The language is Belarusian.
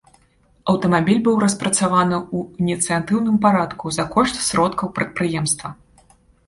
Аўтамабіль быў распрацаваны ў ініцыятыўным парадку за кошт сродкаў прадпрыемства.